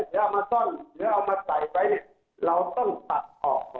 ชาวบ้านมาสวมจิตไหนถ้าเกิดเอาชาวชื่อชาวบ้านมาสวมจิต